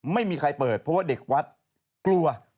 ไม่มีใครเปิดเพราะว่าเด็กวัดกลัว